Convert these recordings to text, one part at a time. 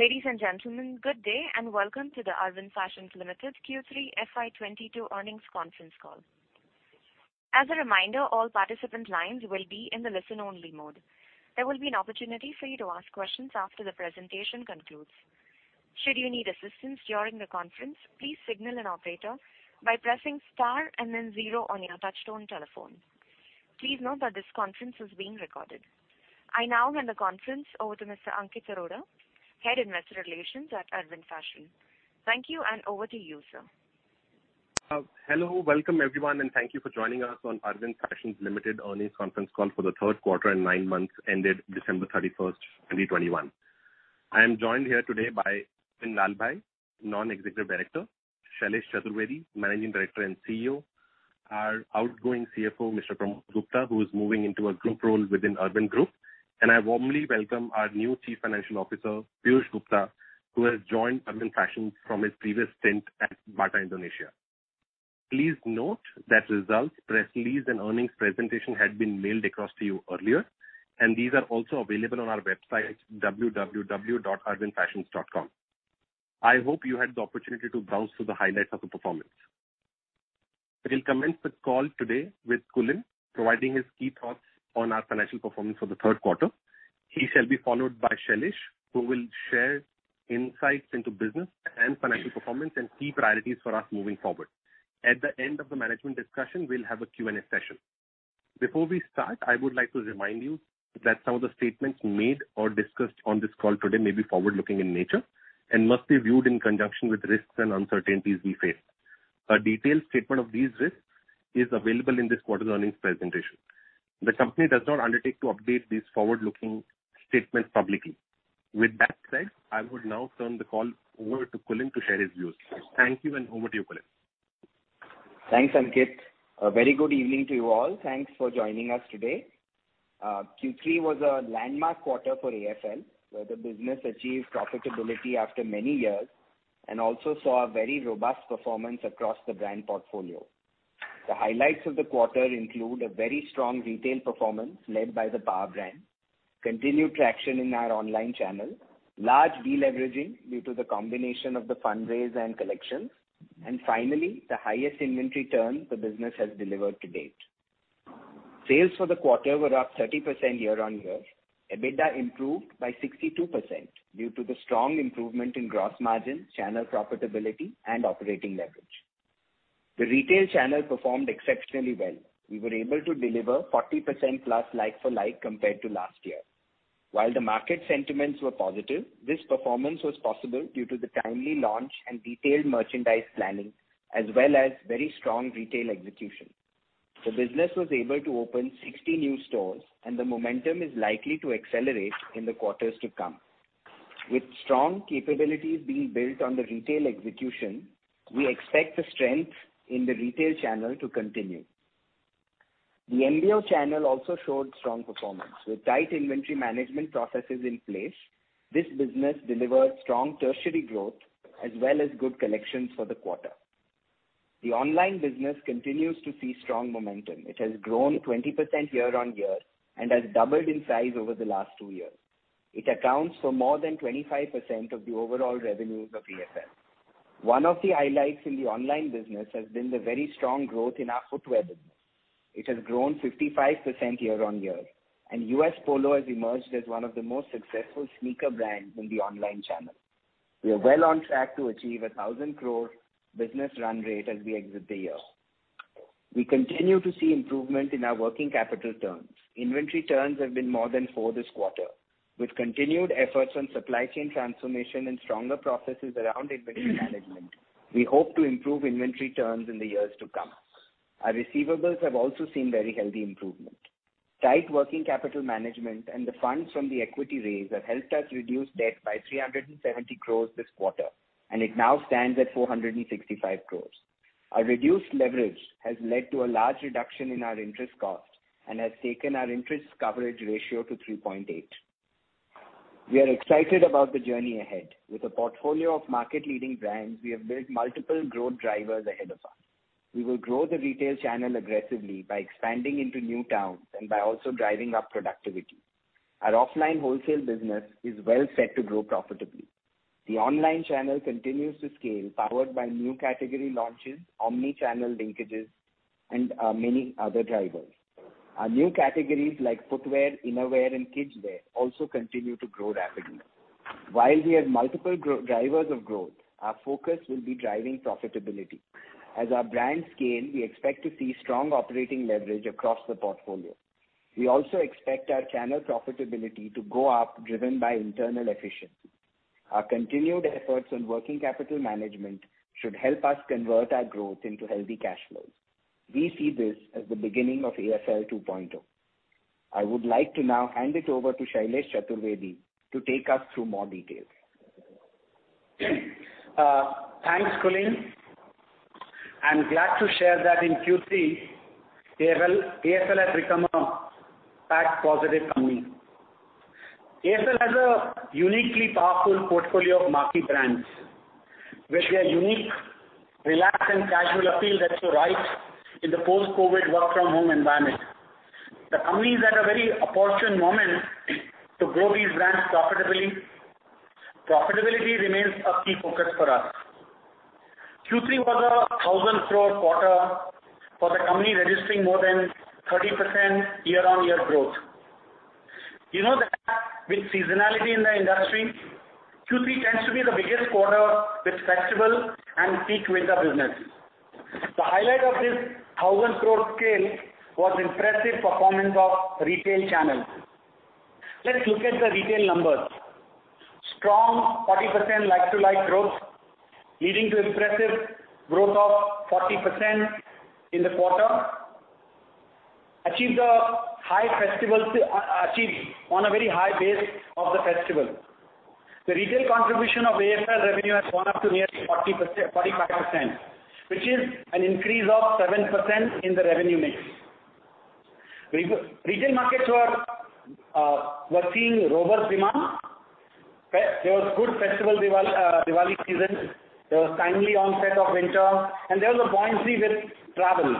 Ladies and gentlemen, good day, and welcome to the Arvind Fashions Limited Q3 FY 2022 Earnings Conference Call. As a reminder, all participant lines will be in the listen-only mode. There will be an opportunity for you to ask questions after the presentation concludes. Should you need assistance during the conference, please signal an operator by pressing star and then zero on your touch-tone telephone. Please note that this conference is being recorded. I now hand the conference over to Mr. Ankit Arora, Head of Investor Relations at Arvind Fashions. Thank you, and over to you, sir. Hello. Welcome, everyone, and thank you for joining us on Arvind Fashions Limited earnings conference call for the third quarter and nine months ended December 31, 2021. I am joined here today by Kulin Lalbhai, Non-Executive Director, Shailesh Chaturvedi, Managing Director and CEO, our outgoing CFO, Mr. Pramod Gupta, who is moving into a group role within Arvind Group. I warmly welcome our new Chief Financial Officer, Piyush Gupta, who has joined Arvind Fashions from his previous stint at Bata India. Please note that results, press release and earnings presentation had been mailed across to you earlier, and these are also available on our website, www.arvindfashions.com. I hope you had the opportunity to browse through the highlights of the performance. We'll commence the call today with Kulin providing his key thoughts on our financial performance for the third quarter. He shall be followed by Shailesh, who will share insights into business and financial performance and key priorities for us moving forward. At the end of the management discussion, we'll have a Q&A session. Before we start, I would like to remind you that some of the statements made or discussed on this call today may be forward-looking in nature and must be viewed in conjunction with risks and uncertainties we face. A detailed statement of these risks is available in this quarter's earnings presentation. The company does not undertake to update these forward-looking statements publicly. With that said, I would now turn the call over to Kulin to share his views. Thank you, and over to you, Kulin. Thanks, Ankit. A very good evening to you all. Thanks for joining us today. Q3 was a landmark quarter for AFL, where the business achieved profitability after many years and also saw a very robust performance across the brand portfolio. The highlights of the quarter include a very strong retail performance led by the Power brand, continued traction in our online channel, large deleveraging due to the combination of the fundraise and collection, and finally, the highest inventory turn the business has delivered to date. Sales for the quarter were up 30% year-on-year. EBITDA improved by 62% due to the strong improvement in gross margin, channel profitability and operating leverage. The retail channel performed exceptionally well. We were able to deliver 40% plus like-for-like compared to last year. While the market sentiments were positive, this performance was possible due to the timely launch and detailed merchandise planning as well as very strong retail execution. The business was able to open 60 new stores, and the momentum is likely to accelerate in the quarters to come. With strong capabilities being built on the retail execution, we expect the strength in the retail channel to continue. The MBO channel also showed strong performance. With tight inventory management processes in place, this business delivered strong tertiary growth as well as good collections for the quarter. The online business continues to see strong momentum. It has grown 20% year-on-year and has doubled in size over the last two years. It accounts for more than 25% of the overall revenues of AFL. One of the highlights in the online business has been the very strong growth in our footwear business. It has grown 55% year-on-year, and U.S. Polo Assn. has emerged as one of the most successful sneaker brands in the online channel. We are well on track to achieve 1,000 crore business run rate as we exit the year. We continue to see improvement in our working capital turns. Inventory turns have been more than 4 this quarter. With continued efforts on supply chain transformation and stronger processes around inventory management, we hope to improve inventory turns in the years to come. Our receivables have also seen very healthy improvement. Tight working capital management and the funds from the equity raise have helped us reduce debt by 370 crore this quarter, and it now stands at 465 crore. Our reduced leverage has led to a large reduction in our interest cost and has taken our interest coverage ratio to 3.8. We are excited about the journey ahead. With a portfolio of market leading brands, we have built multiple growth drivers ahead of us. We will grow the retail channel aggressively by expanding into new towns and by also driving up productivity. Our offline wholesale business is well set to grow profitably. The online channel continues to scale, powered by new category launches, omnichannel linkages and many other drivers. Our new categories like footwear, innerwear and kidswear also continue to grow rapidly. While we have multiple drivers of growth, our focus will be driving profitability. As our brands scale, we expect to see strong operating leverage across the portfolio. We also expect our channel profitability to go up, driven by internal efficiency. Our continued efforts on working capital management should help us convert our growth into healthy cash flows. We see this as the beginning of AFL 2.0. I would like to now hand it over to Shailesh Chaturvedi to take us through more details. Thanks, Kulin. I'm glad to share that in Q3, AFL has become a tax positive company. AFL has a uniquely powerful portfolio of marquee brands, which are unique, relaxed and casual appeal that's so right in the post-COVID work from home environment. The company is at a very opportune moment to grow these brands profitably. Profitability remains a key focus for us. Q3 was a 1,000 crore quarter for the company, registering more than 30% year-on-year growth. You know that with seasonality in the industry, Q3 tends to be the biggest quarter with festival and peak winter business. The highlight of this 1,000 crore scale was impressive performance of retail channels. Let's look at the retail numbers. Strong 40% like-for-like growth, leading to impressive growth of 40% in the quarter. Achieved on a very high base of the festival. The retail contribution of AFL revenue has gone up to nearly 45%, which is an increase of 7% in the revenue mix. Retail markets were seeing robust demand. There was good festival Diwali season. There was timely onset of winter, and there was a buoyancy with travel,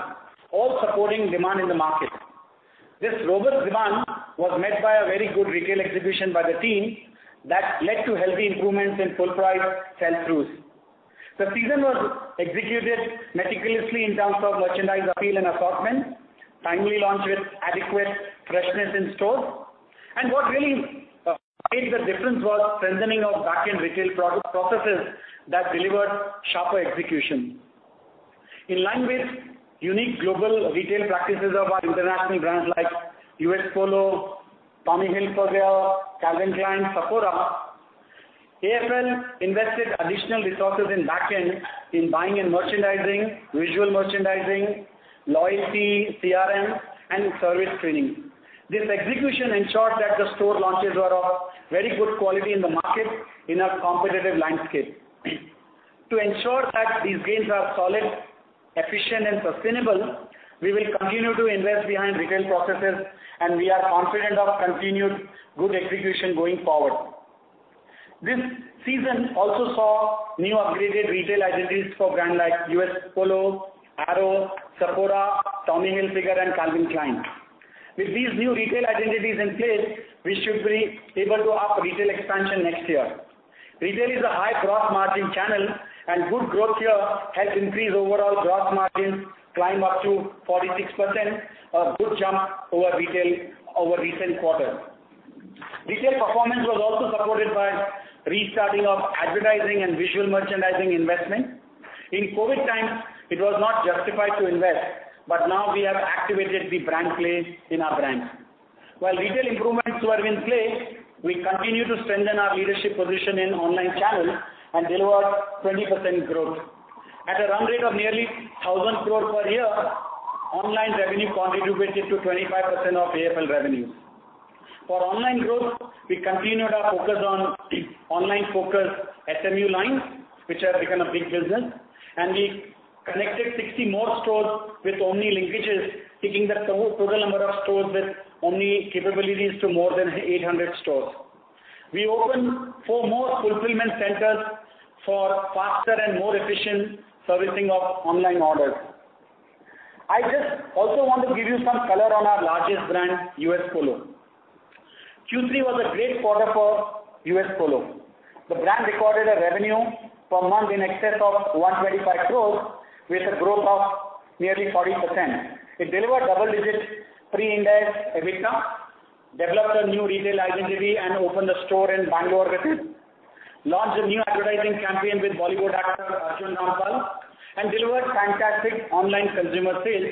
all supporting demand in the market. This robust demand was met by a very good retail execution by the team that led to healthy improvements in full-price sell-throughs. The season was executed meticulously in terms of merchandise appeal and assortment, timely launch with adequate freshness in stores. What really made the difference was strengthening of back-end retail processes that delivered sharper execution. In line with unique global retail practices of our international brands like U.S. Polo, Tommy Hilfiger, Calvin Klein, Sephora, AFL invested additional resources in back-end in buying and merchandising, visual merchandising, loyalty, CRM, and service training. This execution ensured that the store launches were of very good quality in the market in a competitive landscape. To ensure that these gains are solid, efficient and sustainable, we will continue to invest behind retail processes, and we are confident of continued good execution going forward. This season also saw new upgraded retail identities for brands like U.S. Polo Assn., Arrow, Sephora, Tommy Hilfiger, and Calvin Klein. With these new retail identities in place, we should be able to ramp up retail expansion next year. Retail is a high gross margin channel, and good growth here has increased overall gross margin climb up to 46%, a good jump over recent quarter. Retail performance was also supported by restarting of advertising and visual merchandising investment. In COVID times, it was not justified to invest, but now we have activated the brand plays in our brands. While retail improvements were in place, we continue to strengthen our leadership position in online channels and deliver 20% growth. At a run rate of nearly 1,000 crore per year, online revenue contributed to 25% of AFL revenues. For online growth, we continued our focus on online SMU lines, which have become a big business, and we connected 60 more stores with Omni linkages, taking the total number of stores with Omni capabilities to more than 800 stores. We opened 4 more fulfillment centers for faster and more efficient servicing of online orders. I just also want to give you some color on our largest brand, U.S. Polo Assn. Q3 was a great quarter for U.S. Polo Assn. The brand recorded a revenue per month in excess of 125 crore with a growth of nearly 40%. It delivered double-digit pre-Ind AS EBITDA, developed a new retail identity and opened a store in Bangalore with it, launched a new advertising campaign with Bollywood actor Arjun Rampal, and delivered fantastic online consumer sales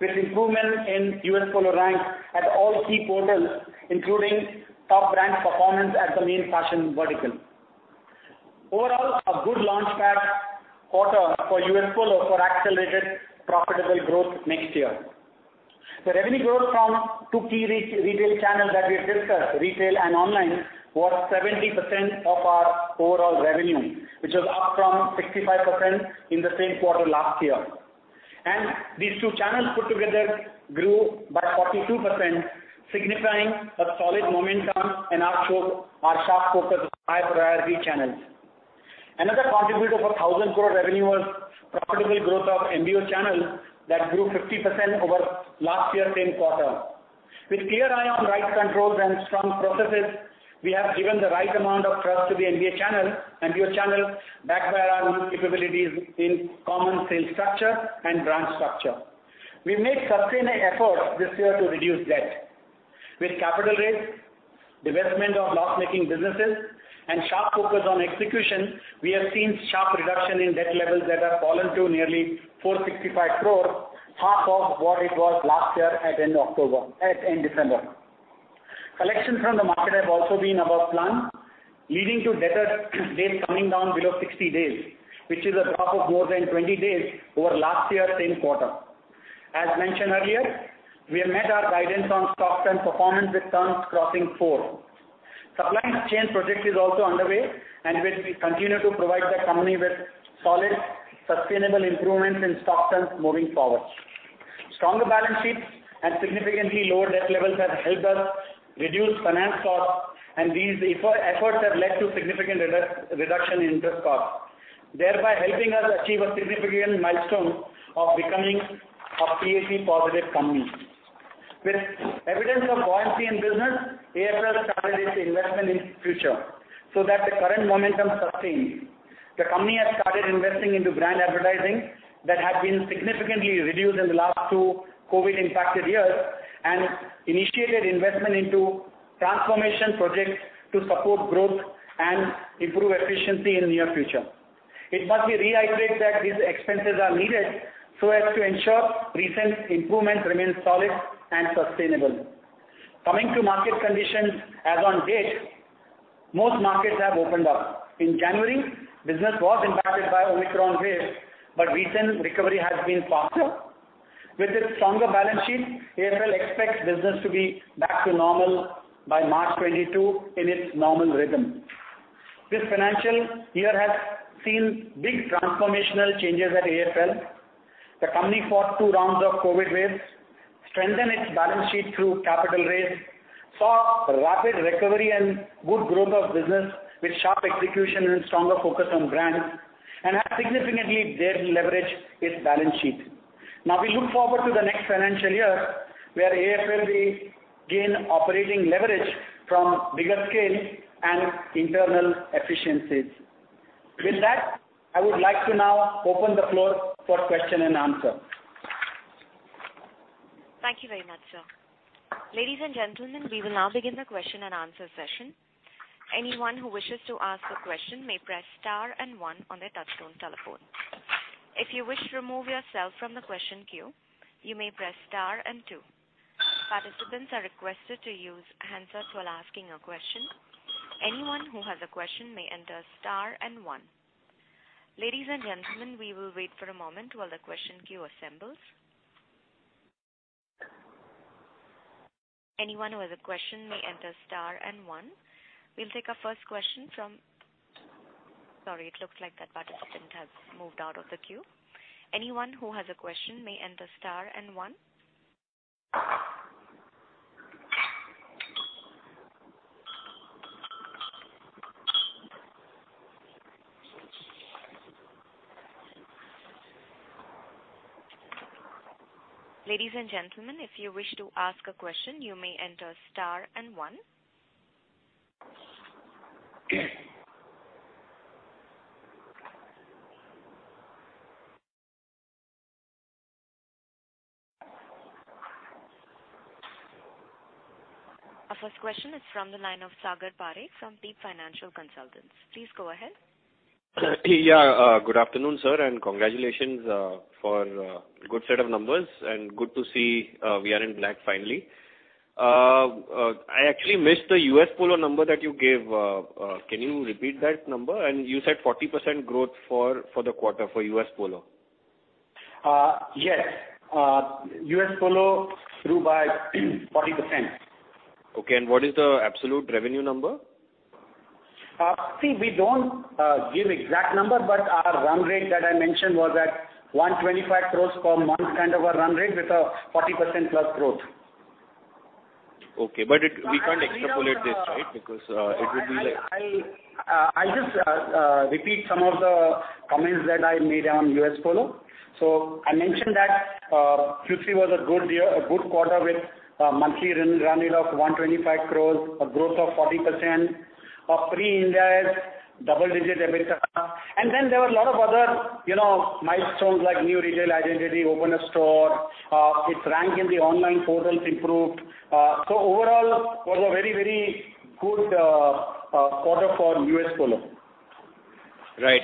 with improvement in U.S. Polo Assn. ranks at all key portals, including top brand performance at the main fashion vertical. Overall, a good launchpad quarter for U.S. Polo Assn. for accelerated profitable growth next year. The revenue growth from two key retail channels that we've discussed, retail and online, was 70% of our overall revenue, which was up from 65% in the same quarter last year. These two channels put together grew by 42%, signifying a solid momentum in our sharp focus as high priority channels. Another contributor for 1,000 crore revenue was profitable growth of MBO channel that grew 50% over last year's same quarter. With clear eye on rights controls and strong processes, we have given the right amount of trust to the MBO channel, backed by our own capabilities in common sales structure and brand structure. We've made sustained efforts this year to reduce debt. With capital raise, divestment of loss-making businesses, and sharp focus on execution, we have seen sharp reduction in debt levels that have fallen to nearly 465 crores, half of what it was last year at end December. Collections from the market have also been above plan, leading to debtor days coming down below 60 days, which is a drop of more than 20 days over last year's same quarter. As mentioned earlier, we have met our guidance on stock turn performance with turns crossing 4. Supply chain project is also underway, and which will continue to provide the company with solid, sustainable improvements in stock turns moving forward. Stronger balance sheets and significantly lower debt levels have helped us reduce finance costs. These efforts have led to significant reduction in interest cost, thereby helping us achieve a significant milestone of becoming a PAT positive company. With evidence of buoyancy in business, AFL started its investment in future so that the current momentum sustains. The company has started investing into brand advertising that had been significantly reduced in the last two COVID impacted years and initiated investment into transformation projects to support growth and improve efficiency in the near future. It must be reiterated that these expenses are needed so as to ensure recent improvements remain solid and sustainable. Coming to market conditions as on date, most markets have opened up. In January, business was impacted by Omicron wave, but recent recovery has been faster. With its stronger balance sheet, AFL expects business to be back to normal by March 2022 in its normal rhythm. This financial year has seen big transformational changes at AFL. The company fought two rounds of COVID waves, strengthened its balance sheet through capital raise, saw rapid recovery and good growth of business with sharp execution and stronger focus on brands, and has significantly deleveraged its balance sheet. Now we look forward to the next financial year, where AFL will gain operating leverage from bigger scale and internal efficiencies. With that, I would like to now open the floor for question and answer. Thank you very much, sir. Ladies and gentlemen, we will now begin the question and answer session. Our first question is from the line of Sagar Parekh from Deep Financial Consultants. Please go ahead. Yeah, good afternoon, sir, and congratulations for good set of numbers and good to see we are in the black finally. I actually missed the U.S. Polo Assn. number that you gave. Can you repeat that number? You said 40% growth for the quarter for U.S. Polo Assn. Yes. U.S. Polo grew by 40%. Okay, what is the absolute revenue number? See, we don't give exact number, but our run rate that I mentioned was at 125 crore per month kind of a run rate with a 40%+ growth. Okay. We have We can't extrapolate this, right? Because it will be like. I'll just repeat some of the comments that I made on U.S. Polo Assn. I mentioned that Q3 was a good year, a good quarter with monthly run rate of 125 crore, a growth of 40%, a pre-Ind AS double-digit EBITDA. Then there were a lot of other, you know, milestones like new retail identity, opened a store, its rank in the online portals improved. Overall was a very, very good quarter for U.S. Polo Assn. Right.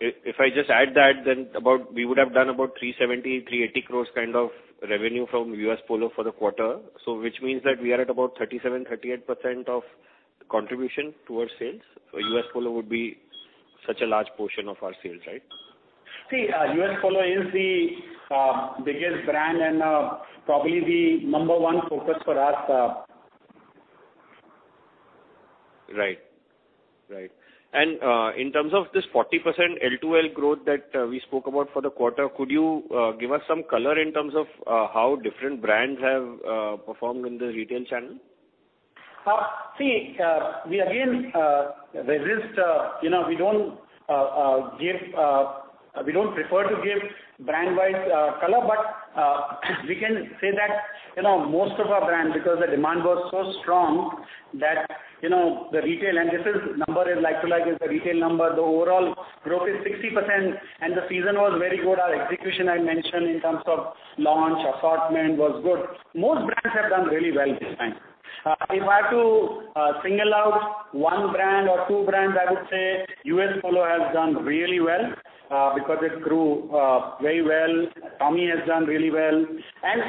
If I just add that then about we would have done about 370-380 crores kind of revenue from U.S. Polo for the quarter. Which means that we are at about 37%-38% of contribution towards sales. U.S. Polo would be such a large portion of our sales, right? See, U.S. Polo Assn. is the biggest brand and probably the number one focus for us. Right. Right. In terms of this 40% L2L growth that we spoke about for the quarter, could you give us some color in terms of how different brands have performed in the retail channel? See, we again resist, you know, we don't prefer to give brand-wise color. We can say that, you know, most of our brands, because the demand was so strong that, you know, this number is like-to-like, the retail number. The overall growth is 60% and the season was very good. Our execution I mentioned in terms of launch, assortment was good. Most brands have done really well this time. If I have to single out one brand or two brands, I would say U.S. Polo has done really well, because it grew very well. Tommy has done really well.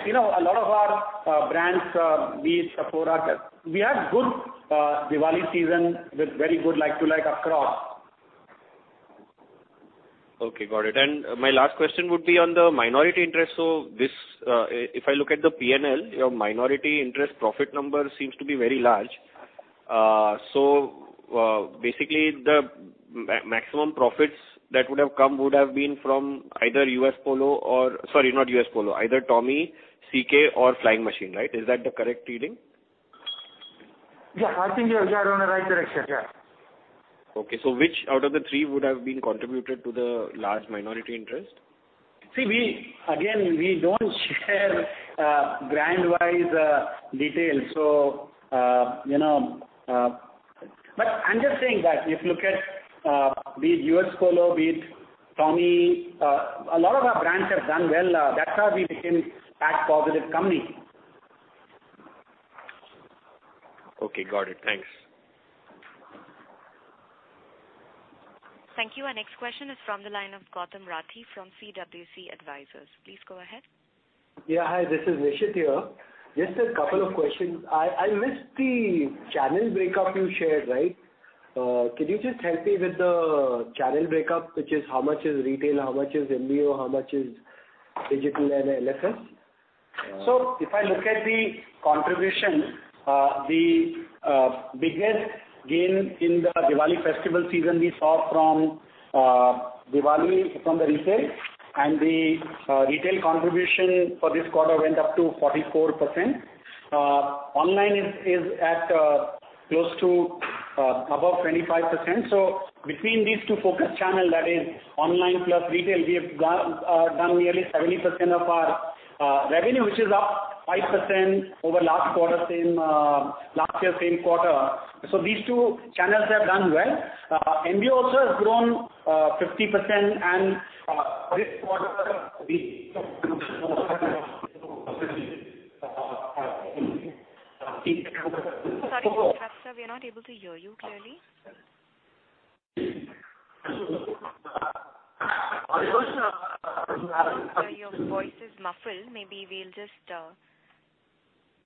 You know, a lot of our brands, B, Sephora, we had good Diwali season with very good like-to-like across. Okay, got it. My last question would be on the minority interest. If I look at the P&L, your minority interest profit number seems to be very large. Basically, the maximum profits that would have come would have been from either U.S. Polo or sorry, not U.S. Polo, either Tommy, CK or Flying Machine, right? Is that the correct reading? Yeah, I think you're on the right direction. Yeah. Okay. Which out of the three would have been contributed to the large minority interest? See, we again don't share brand-wise details. You know, I'm just saying that if you look at, be it U.S. Polo, be it Tommy, a lot of our brands have done well. That's how we became that positive company. Okay, got it. Thanks. Thank you. Our next question is from the line of Gautam Rathi from CWC Advisors. Please go ahead. Yeah, hi, this is Nishid here. Just a couple of questions. I missed the channel breakup you shared, right? Could you just help me with the channel breakup, which is how much is retail, how much is MBO, how much is digital and LFS? If I look at the contribution, the biggest gain in the Diwali festival season we saw from Diwali from the retail and the retail contribution for this quarter went up to 44%. Online is at close to above 25%. Between these two focus channel, that is online plus retail, we have done nearly 70% of our revenue, which is up 5% over last quarter, same last year, same quarter. These two channels have done well. MBO also has grown 50%. This quarter, we Sorry, sir. We are not able to hear you clearly. Your voice is muffled.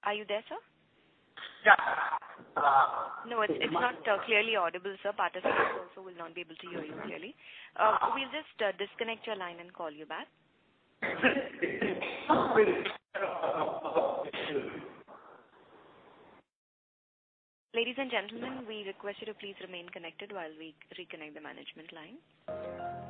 Are you there, sir? Yeah. No, it's not clearly audible, sir. Participants also will not be able to hear you clearly. We'll just disconnect your line and call you back. Ladies and gentlemen, we request you to please remain connected while we reconnect the management line. Thank you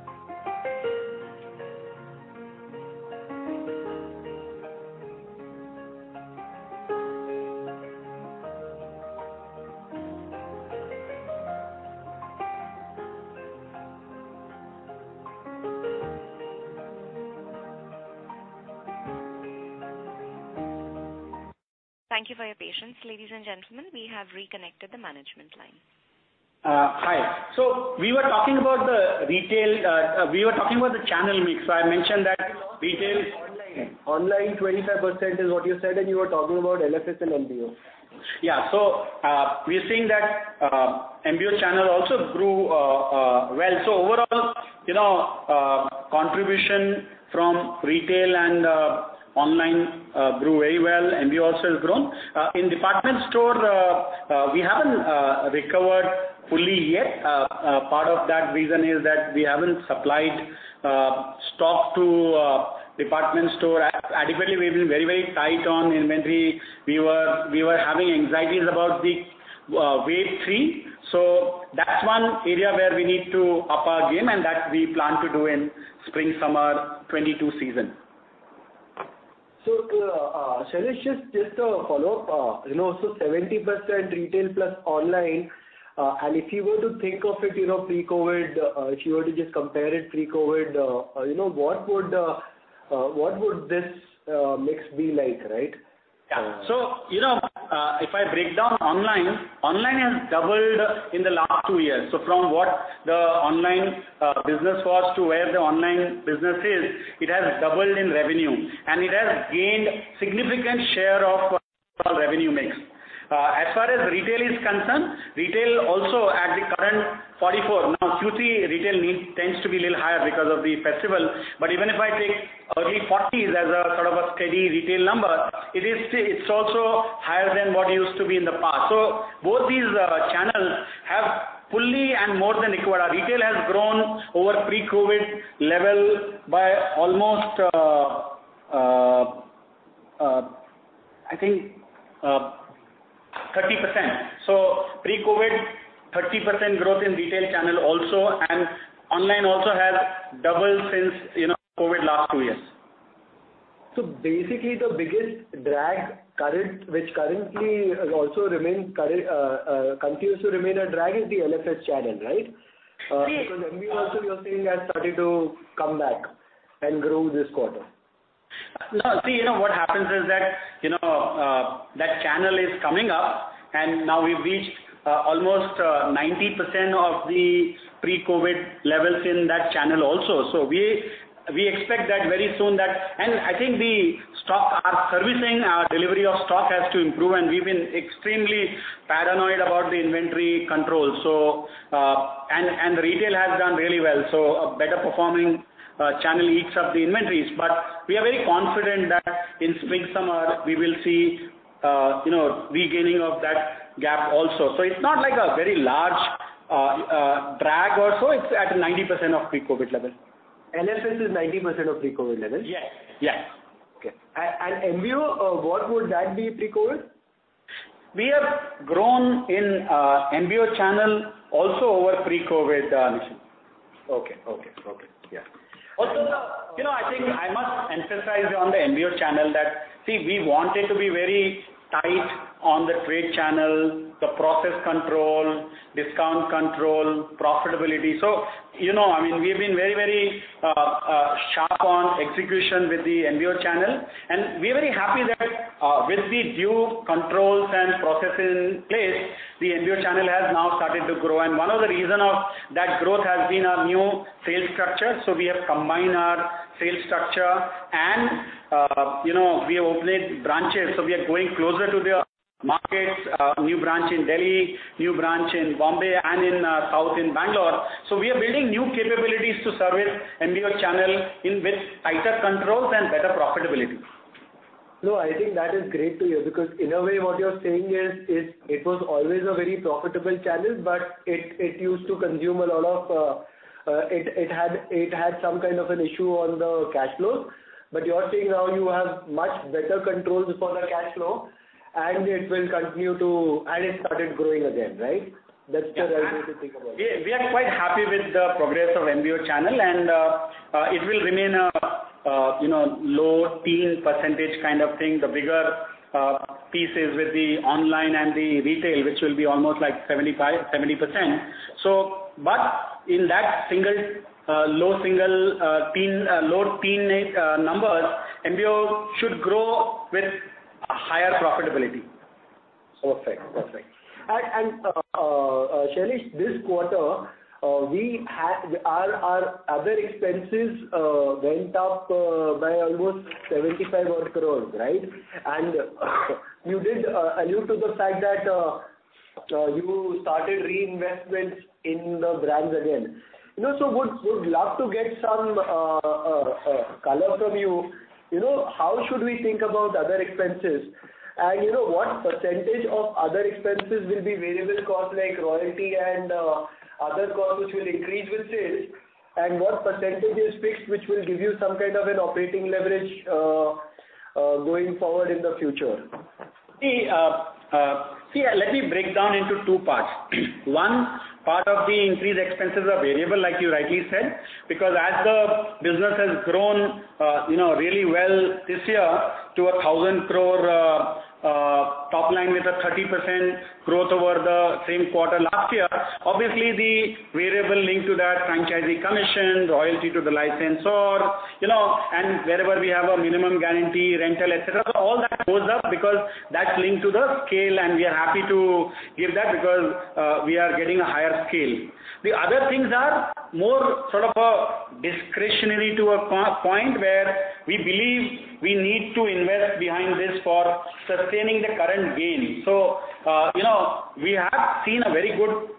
for your patience, ladies and gentlemen. We have reconnected the management line. Hi. We were talking about the channel mix. I mentioned that retail- Online. Online, 25% is what you said, and you were talking about LFS and MBO. We're seeing that MBO channel also grew well. Overall, you know, contribution from retail and online grew very well. MBO also has grown. In department store, we haven't recovered fully yet. Part of that reason is that we haven't supplied stock to department store adequately. We've been very, very tight on inventory. We were having anxieties about the wave three. That's one area where we need to up our game, and that we plan to do in spring/summer 2022 season. Shailesh, just a follow-up. You know, 70% retail plus online. If you were to think of it, you know, pre-COVID, if you were to just compare it pre-COVID, you know, what would this mix be like, right? Yeah. You know, if I break down online has doubled in the last 2 years. From what the online business was to where the online business is, it has doubled in revenue, and it has gained significant share of overall revenue mix. As far as retail is concerned, retail also at the current 44%. NNNOW Q3 retail mix tends to be a little higher because of the festival. But even if I take early 40s as a sort of a steady retail number, it is still. It is also higher than what it used to be in the past. Both these channels have fully and more than recovered. Our retail has grown over pre-COVID level by almost, I think, 30%. Pre-COVID, 30% growth in retail channel also, and online also has doubled since, you know, COVID last two years. Basically the biggest drag currently, which currently also continues to remain a drag is the LFS channel, right? See- Because MBO also you're saying has started to come back and grow this quarter. No, see, you know, what happens is that, you know, that channel is coming up and now we've reached almost 90% of the pre-COVID levels in that channel also. We expect that very soon. I think the stock, our servicing, our delivery of stock has to improve. We've been extremely paranoid about the inventory control. Retail has done really well. A better performing channel eats up the inventories. We are very confident that in spring/summer we will see, you know, regaining of that gap also. It's not like a very large drag or so. It's at 90% of pre-COVID level. LFS is 90% of pre-COVID level? Yes. Yes. Okay. MBO, what would that be pre-COVID? We have grown in MBO channel also over pre-COVID, Nishid. Okay. Yeah. You know, I think I must emphasize on the MBO channel that, see, we wanted to be very tight on the trade channel, the process control, discount control, profitability. You know, I mean, we've been very sharp on execution with the MBO channel, and we're very happy that, with the due controls and processes in place, the MBO channel has now started to grow. One of the reason of that growth has been our new sales structure. We have combined our sales structure and, you know, we have opened branches, so we are going closer to their markets. New branch in Delhi, new branch in Bombay and in south in Bangalore. We are building new capabilities to service MBO channel with tighter controls and better profitability. No, I think that is great to hear, because in a way what you're saying is it was always a very profitable channel, but it used to consume a lot of it had some kind of an issue on the cash flows. You are saying now you have much better controls for the cash flow, and it will continue to. It started growing again, right? That's the right way to think about it. Yeah. We are quite happy with the progress of MBO channel and it will remain a you know low-teens percentage kind of thing. The bigger piece is with the online and the retail, which will be almost like 70%-75%. But in that low-teens numbers, MBO should grow with higher profitability. Perfect. Shailesh, this quarter we had. Our other expenses went up by almost 75 crore, right? You alluded to the fact that you started reinvestments in the brands again. You know, would love to get some color from you. You know, how should we think about other expenses? You know, what percentage of other expenses will be variable cost, like royalty and other costs which will increase with sales, and what percentage is fixed, which will give you some kind of an operating leverage going forward in the future? Let me break down into two parts. One, part of the increased expenses are variable, like you rightly said. Because as the business has grown, you know, really well this year to 1,000 crore top line with 30% growth over the same quarter last year, obviously the variable linked to that, franchisee commission, royalty to the licensor, you know, and wherever we have a minimum guarantee, rental, et cetera, all that goes up because that's linked to the scale, and we are happy to give that because we are getting a higher scale. The other things are more sort of a discretionary to a point where we believe we need to invest behind this for sustaining the current gain. You know, we have seen a very good,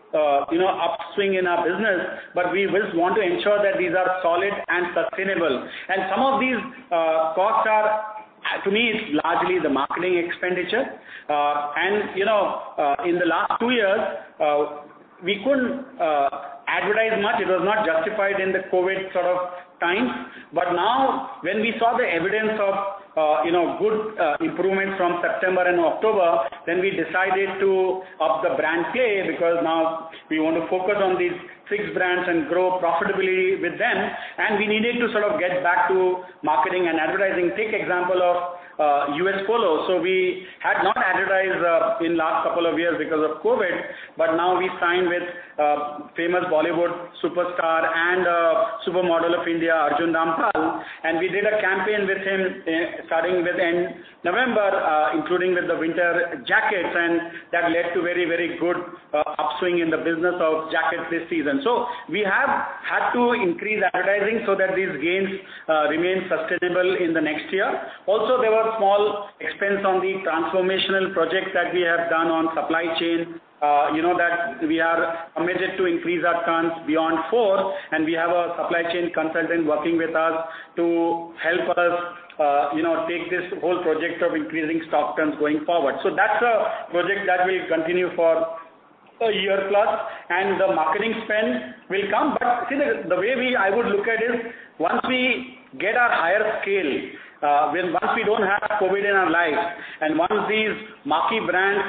you know, upswing in our business, but we just want to ensure that these are solid and sustainable. Some of these costs are, to me, it's largely the marketing expenditure. You know, in the last 2 years, we couldn't advertise much. It was not justified in the COVID sort of times. Now when we saw the evidence of you know good improvement from September and October, then we decided to up the brand play because now we want to focus on these 6 brands and grow profitably with them. We needed to sort of get back to marketing and advertising. Take example of U.S. Polo. We had not advertised in last couple of years because of COVID, but now we signed with a famous Bollywood superstar and a supermodel of India, Arjun Rampal, and we did a campaign with him, starting with end November, including with the winter jackets, and that led to very good upswing in the business of jackets this season. We have had to increase advertising so that these gains remain sustainable in the next year. Also, there were small expense on the transformational projects that we have done on supply chain. You know that we are committed to increase our tons beyond four, and we have a supply chain consultant working with us to help us, you know, take this whole project of increasing stock turns going forward. That's a project that will continue for a year plus, and the marketing spend will come. See, the way I would look at is once we get a higher scale, once we don't have COVID in our lives, and once these marquee brands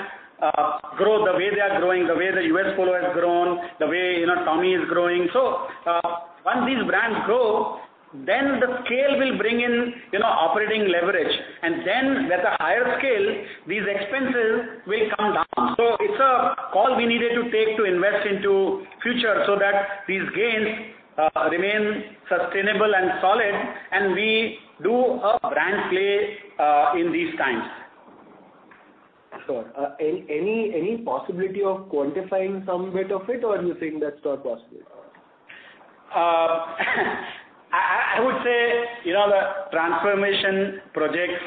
grow the way they are growing, the way the US Polo has grown, the way, you know, Tommy is growing. Once these brands grow, then the scale will bring in, you know, operating leverage. And then with a higher scale, these expenses will come down. It's a call we needed to take to invest into future so that these gains remain sustainable and solid and we do a brand play in these times. Sure. Any possibility of quantifying some bit of it or do you think that's not possible? I would say, you know, the transformation projects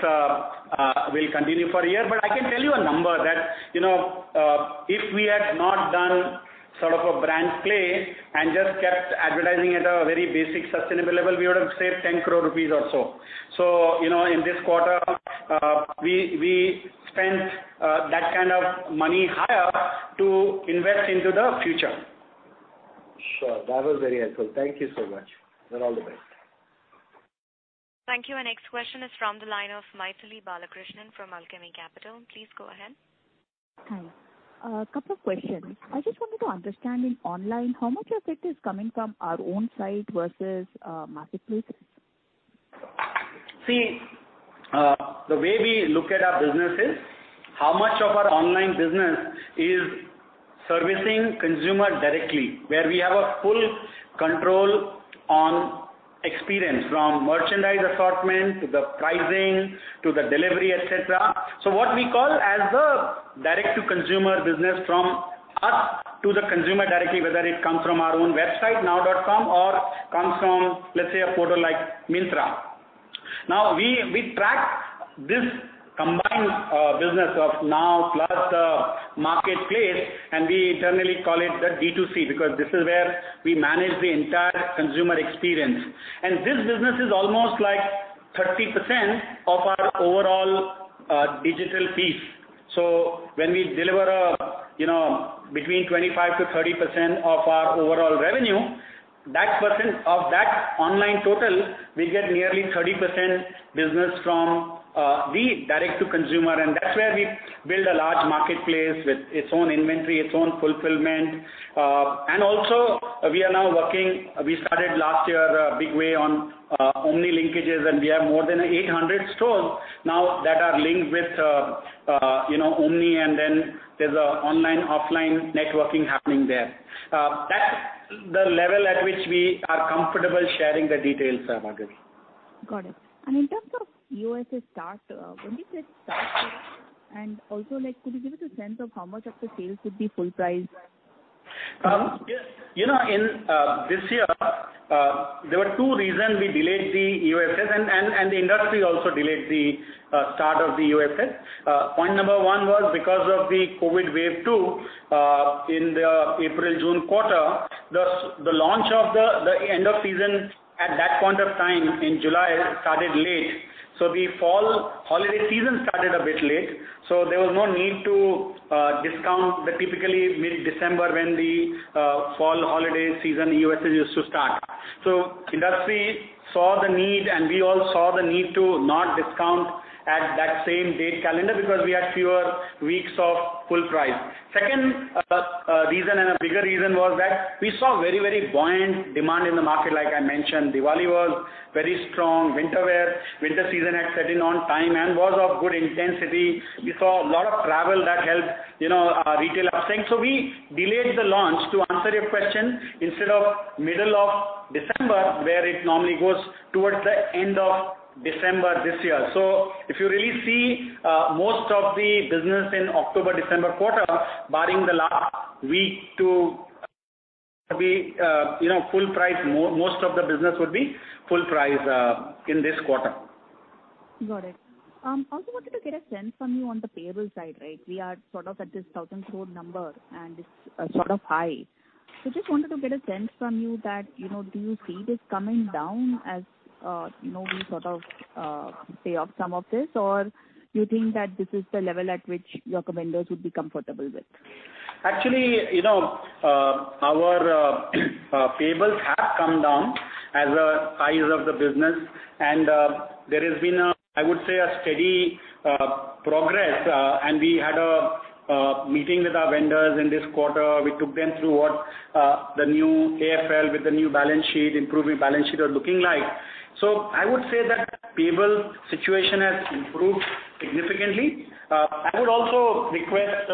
will continue for a year. I can tell you a number that, you know, if we had not done sort of a brand play and just kept advertising at a very basic sustainable level, we would have saved 10 crore rupees or so. In this quarter, we spent that kind of money higher to invest into the future. Sure. That was very helpful. Thank you so much. Well, all the best. Thank you. Our next question is from the line of Mythili Balakrishnan from Alchemy Capital. Please go ahead. Hi. A couple of questions. I just wanted to understand in online, how much of it is coming from our own site versus marketplaces? See, the way we look at our business is how much of our online business is servicing consumer directly, where we have a full control on experience from merchandise assortment to the pricing to the delivery, et cetera. What we call as the direct to consumer business from us to the consumer directly, whether it comes from our own website, nnnnow.com, or comes from, let's say, a portal like Myntra. NNNOW, we track this combined business of NNNOW plus the marketplace, and we internally call it the D2C, because this is where we manage the entire consumer experience. This business is almost like 30% of our overall digital fees. When we deliver, you know, 25%-30% of our overall revenue, that percent of that online total, we get nearly 30% business from the direct to consumer. That's where we build a large marketplace with its own inventory, its own fulfillment. We started last year in a big way on omni linkages, and we have more than 800 stores now that are linked with, you know, omni and then there's a online/offline networking happening there. That's the level at which we are comfortable sharing the details, Mythili. Got it. In terms of U.S. Polo Assn.'s start, when did it start? Like, could you give us a sense of how much of the sales would be full price? Yeah, you know, in this year, there were 2 reasons we delayed the EOSS and the industry also delayed the start of the EOSS. Point number one was because of the COVID wave two in the April-June quarter, the launch of the end of season at that point of time in July started late. The fall holiday season started a bit late, so there was no need to discount the typically mid-December when the fall holiday season EOSS used to start. Industry saw the need, and we all saw the need to not discount at that same date calendar because we had fewer weeks of full price. Second reason and a bigger reason was that we saw very, very buoyant demand in the market, like I mentioned. Diwali was very strong. Winter wear, winter season had set in on time and was of good intensity. We saw a lot of travel that helped, you know, our retail upswing. We delayed the launch to answer your question, instead of middle of December, where it normally goes towards the end of December this year. If you really see, most of the business in October-December quarter, barring the last week to be full price, most of the business would be full price in this quarter. Got it. I also wanted to get a sense from you on the payable side, right? We are sort of at this 1,000 crore number, and it's sort of high. Just wanted to get a sense from you that, you know, do you see this coming down as, you know, we sort of pay off some of this? Or do you think that this is the level at which your vendors would be comfortable with? Actually, you know, our payables have come down as the size of the business. There has been, I would say, a steady progress. We had a meeting with our vendors in this quarter. We took them through what the new AFL with the new improved balance sheet is looking like. I would say that payables situation has improved significantly. I would also request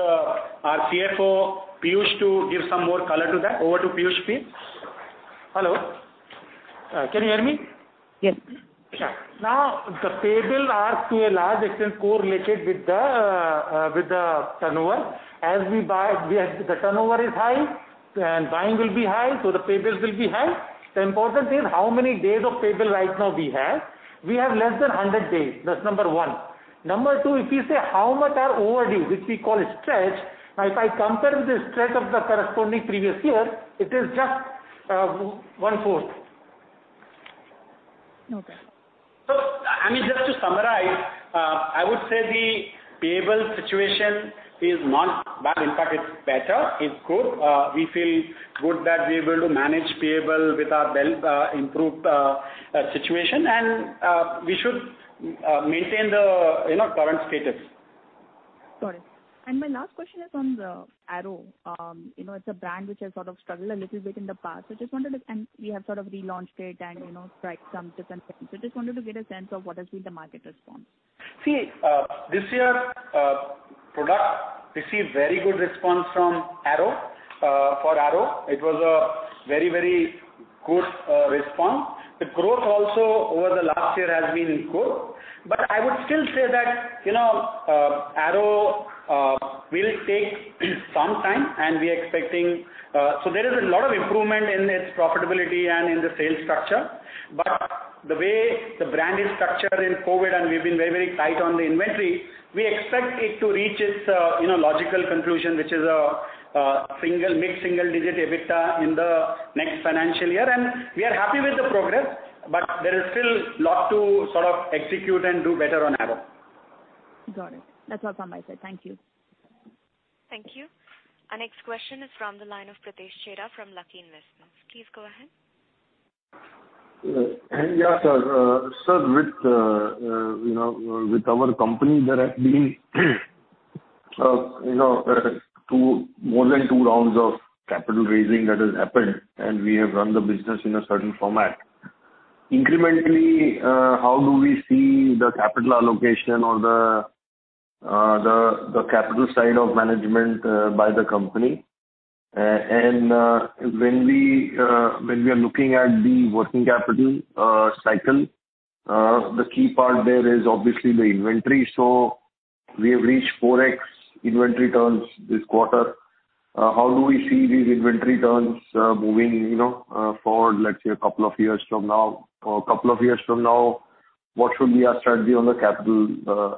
our CFO, Piyush, to give some more color to that. Over to Piyush please. Hello. Can you hear me? Yes. Sure. NNNOW, the payables are to a large extent correlated with the turnover. As we buy, the turnover is high and buying will be high, so the payables will be high. The important thing is how many days of payable right now we have. We have less than 100 days, that's number one. Number two, if you say how much are overdue, which we call stretch, now if I compare with the stretch of the corresponding previous year, it is just one-fourth. Okay. I mean, just to summarize, I would say the payables situation is not bad. In fact, it's better. It's good. We feel good that we're able to manage payables with our well, improved situation. We should maintain the, you know, current status. Got it. My last question is on the Arrow. You know, it's a brand which has sort of struggled a little bit in the past. We have sort of relaunched it and, you know, tried some different things. So just wanted to get a sense of what has been the market response. See, this year, product received very good response from Arrow. For Arrow, it was a very, very good response. The growth also over the last year has been good. But I would still say that, you know, Arrow will take some time and we are expecting. There is a lot of improvement in its profitability and in the sales structure. But the way the brand is structured in COVID, and we've been very, very tight on the inventory, we expect it to reach its, you know, logical conclusion, which is a mid-single digit EBITDA in the next financial year. We are happy with the progress, but there is still a lot to sort of execute and do better on Arrow. Got it. That's all from my side. Thank you. Thank you. Our next question is from the line of Pritesh Chheda from Lucky Investment Managers. Please go ahead. Yeah, sir. Sir, with, you know, with our company, there has been, you know, more than two rounds of capital raising that has happened, and we have run the business in a certain format. Incrementally, how do we see the capital allocation or the capital side of management by the company? And when we are looking at the working capital cycle, the key part there is obviously the inventory. So we have reached 4x inventory turns this quarter. How do we see these inventory turns moving, you know, forward, let's say a couple of years from now? Or a couple of years from now, what should be our strategy on the capital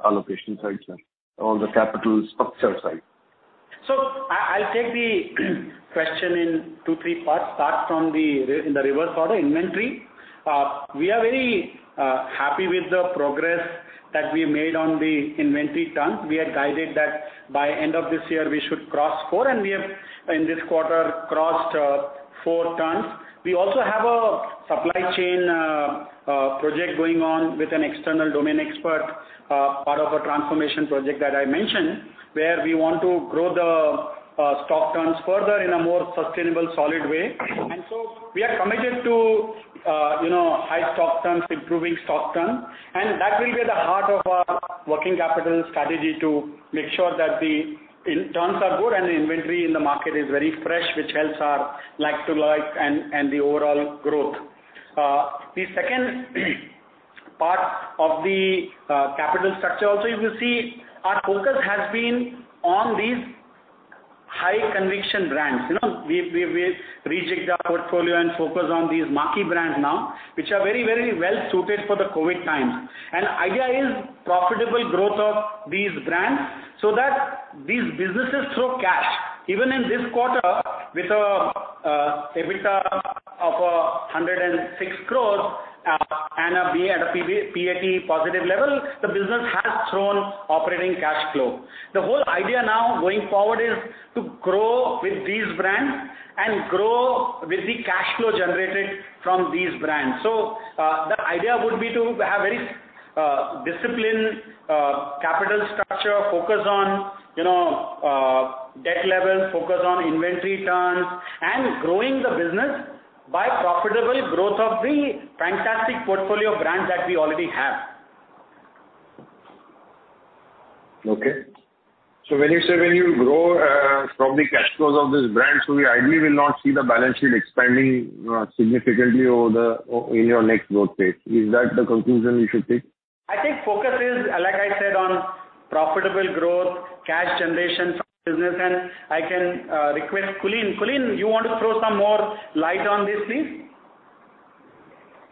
allocation side, sir, on the capital structure side? I'll take the question in two, three parts. Start in the reverse order, inventory. We are very happy with the progress that we made on the inventory turns. We had guided that by end of this year we should cross 4, and we have, in this quarter, crossed 4 turns. We also have a supply chain project going on with an external domain expert, part of a transformation project that I mentioned, where we want to grow the stock turns further in a more sustainable, solid way. We are committed to, you know, high stock turns, improving stock turns, and that will be the heart of our working capital strategy to make sure that the turns are good and the inventory in the market is very fresh, which helps our like-for-like and the overall growth. The second part of the capital structure also, you will see our focus has been on these high conviction brands. You know, we rejigged our portfolio and focus on these marquee brands now, which are very, very well suited for the COVID times. Idea is profitable growth of these brands so that these businesses throw cash. Even in this quarter with an EBITDA of 106 crores and an EBITDA and a PAT positive level, the business has thrown operating cash flow. The whole idea now going forward is to grow with these brands and grow with the cash flow generated from these brands. The idea would be to have very, disciplined, capital structure, focus on, you know, debt levels, focus on inventory turns, and growing the business by profitable growth of the fantastic portfolio brands that we already have. Okay. When you say when you grow from the cash flows of this brand, so we ideally will not see the balance sheet expanding significantly in your next growth phase. Is that the conclusion we should take? I think focus is, like I said, on profitable growth, cash generation from business, and I can request Kulin. Kulin, you want to throw some more light on this, please?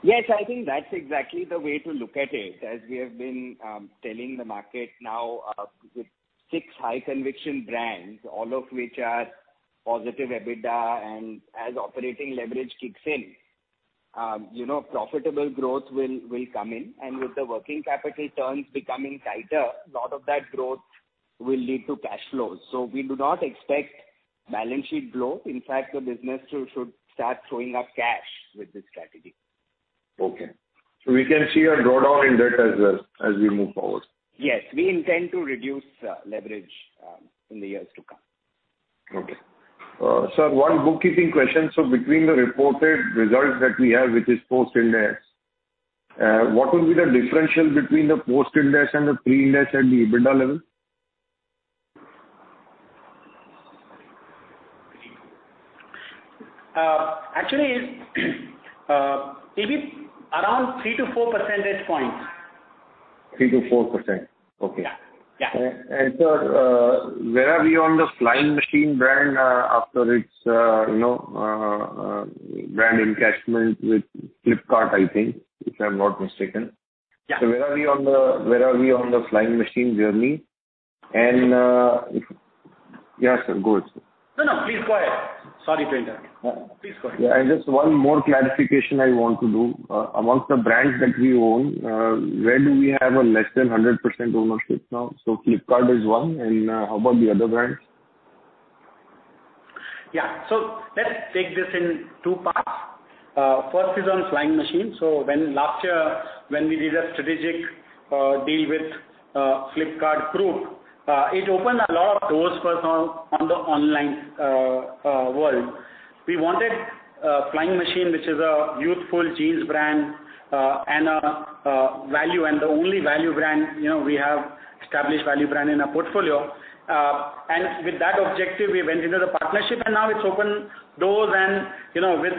Yes, I think that's exactly the way to look at it. As we have been telling the market now with six high conviction brands, all of which are positive EBITDA and as operating leverage kicks in, you know, profitable growth will come in, and with the working capital turns becoming tighter, lot of that growth will lead to cash flows. We do not expect balance sheet growth. In fact, the business should start throwing up cash with this strategy. Okay. We can see a drawdown in debt as we move forward. Yes. We intend to reduce leverage in the years to come. Sir, one bookkeeping question. Between the reported results that we have, which is post-Ind AS, what will be the differential between the post-Ind AS and the pre-Ind AS at the EBITDA level? Actually, it's it'll be around 3 to 4 percentage points. 3% to 4%? Okay. Yeah. Yeah. Sir, where are we on the Flying Machine brand after its you know brand investment with Flipkart, I think, if I'm not mistaken? Yeah. Where are we on the Flying Machine journey? Yeah, sir. Go ahead, sir. No, no. Please go ahead. Sorry to interrupt you. Please go ahead. Yeah, just one more clarification I want to do. Amongst the brands that we own, where do we have a less than 100% ownership now? Flipkart is one, and how about the other brands? Yeah. Let's take this in two parts. First is on Flying Machine. When last year we did a strategic deal with Flipkart Group, it opened a lot of doors for us on the online world. We wanted Flying Machine, which is a youthful jeans brand, and a value and the only value brand, you know, we have established value brand in our portfolio. And with that objective, we went into the partnership and now it's opened doors and, you know, with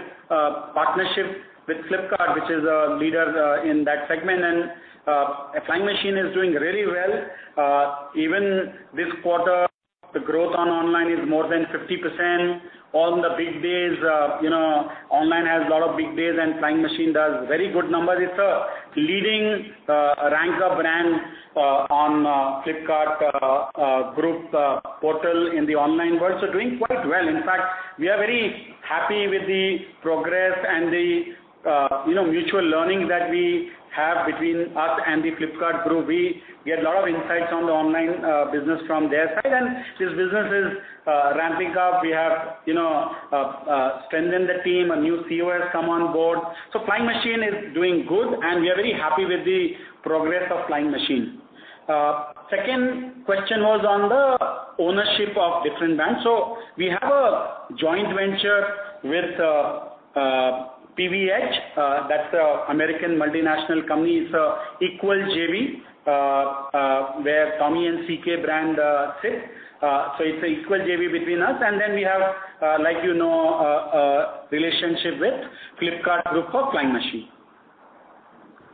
partnership with Flipkart, which is a leader in that segment. Flying Machine is doing really well. Even this quarter, the growth on online is more than 50%. On the big days, you know, online has a lot of big days, and Flying Machine does very good numbers. It's a leading ranks of brands on Flipkart Group portal in the online. We're also doing quite well. In fact, we are very happy with the progress and the you know mutual learning that we have between us and the Flipkart Group. We get a lot of insights on the online business from their side. This business is ramping up. We have you know strengthened the team. A new CEO has come on board. Flying Machine is doing good, and we are very happy with the progress of Flying Machine. Second question was on the ownership of different brands. We have a joint venture with PVH. That's an American multinational company. It's an equal JV where Tommy and CK brand sit. It's an equal JV between us, and then we have, like, you know, a relationship with Flipkart Group for Flying Machine.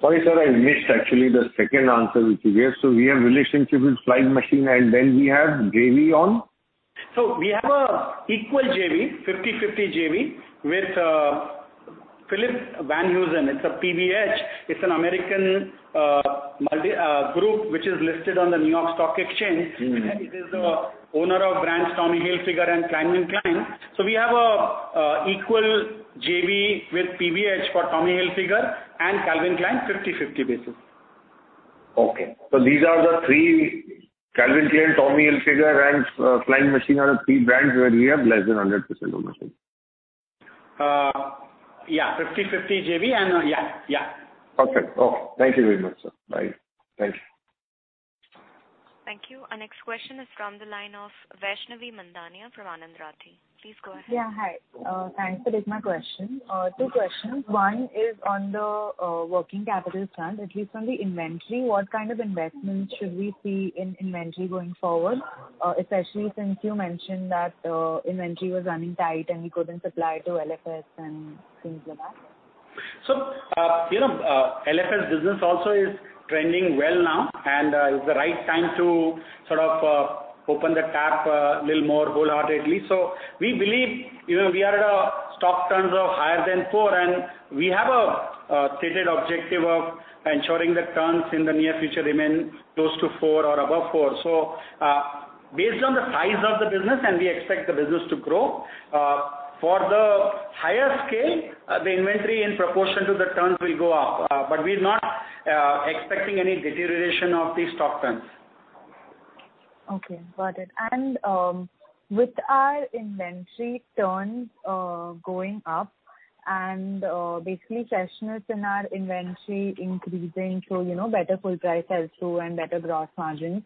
Sorry, sir, I missed actually the second answer which you gave. We have relationship with Flying Machine, and then we have JV on? We have an equal JV, 50/50 JV, with PVH Corp. It's a PVH. It's an American group which is listed on the New York Stock Exchange. It is the owner of brands Tommy Hilfiger and Calvin Klein. We have an equal JV with PVH for Tommy Hilfiger and Calvin Klein, 50/50 basis. Okay. These are the three Calvin Klein, Tommy Hilfiger, and Flying Machine are the three brands where we have less than 100% ownership. Yeah, 50/50 JV and yeah. Yeah. Okay. Thank you very much, sir. Bye. Thank you. Thank you. Our next question is from the line of Vaishnavi Mandhaniya from Anand Rathi. Please go ahead. Yeah, hi. Thanks for taking my question. Two questions. One is on the working capital front, at least on the inventory, what kind of investment should we see in inventory going forward, especially since you mentioned that inventory was running tight and you couldn't supply to LFS and things like that? You know, LFS business also is trending well now, and it's the right time to sort of open the tap a little more wholehearted. We believe, you know, we are at a stock turns of higher than 4, and we have a stated objective of ensuring the turns in the near future remain close to 4 or above 4. Based on the size of the business, and we expect the business to grow, for the higher scale, the inventory in proportion to the turns will go up, but we're not expecting any deterioration of the stock turns. Okay, got it. With our inventory turns going up and basically freshness in our inventory increasing, you know, better full price sell-through and better gross margins,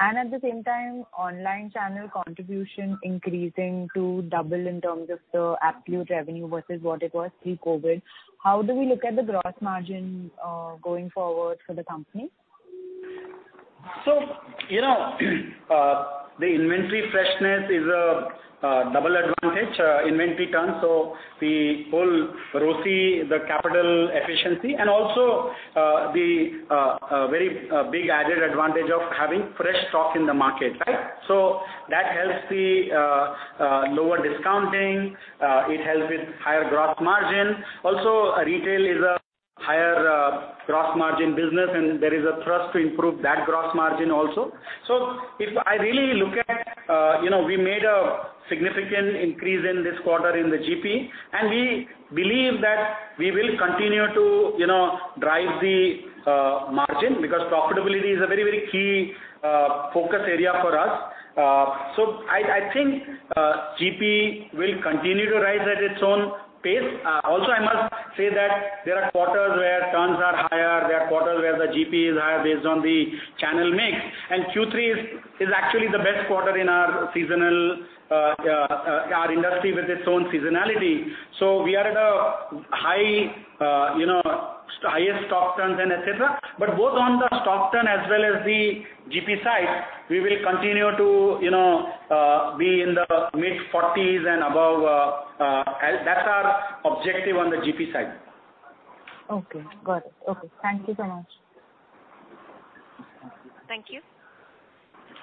and at the same time, online channel contribution increasing to double in terms of the absolute revenue versus what it was pre-COVID, how do we look at the gross margin going forward for the company? You know, the inventory freshness is a double advantage, inventory turns, so the whole ROC, the capital efficiency and also the very big added advantage of having fresh stock in the market, right? That helps the lower discounting, it helps with higher gross margin. Also, retail is a higher gross margin business, and there is a thrust to improve that gross margin also. If I really look at, you know, we made a significant increase in this quarter in the GP, and we believe that we will continue to, you know, drive the margin because profitability is a very key focus area for us. I think GP will continue to rise at its own pace. Also, I must say that there are quarters where turns are higher, there are quarters where the GP is higher based on the channel mix. Q3 is actually the best quarter in our seasonal, our industry with its own seasonality. We are at a high, you know, highest stock turns and et cetera. Both on the stock turn as well as the GP side, we will continue to, you know, be in the mid-forties and above. That's our objective on the GP side. Okay, got it. Okay, thank you so much. Thank you. Thank you.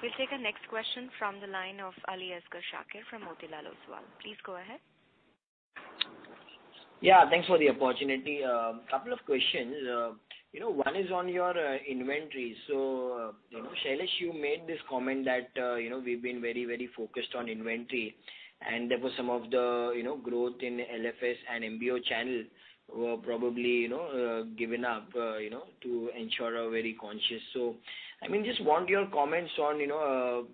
We'll take our next question from the line of Aliasgar Shakir from Motilal Oswal. Please go ahead. Yeah, thanks for the opportunity. Couple of questions. You know, one is on your inventory. Shailesh, you made this comment that you know, we've been very, very focused on inventory, and there was some of the growth in LFS and MBO channels were probably given up to ensure we're very conscious. I mean, just want your comments on you know